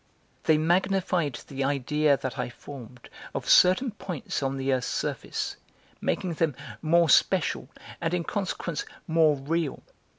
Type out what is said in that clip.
They magnified the idea that I formed of certain points on the earth's surface, making them more special, and in consequence more real.